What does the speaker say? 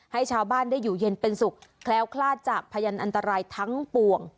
ให้ชาวบ้านได้อยู่เย็นเป็นสุขแคล้วคลาดจากพยานอันตรายทั้งปวง